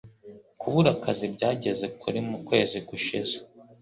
Kubura akazi byageze kuri mu kwezi gushize,